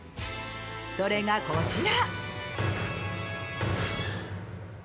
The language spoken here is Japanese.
それがこちら。